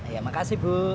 ya makasih bu